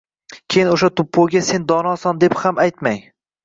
Keyin o‘sha tupoyga sen donosan deb ham aytmang.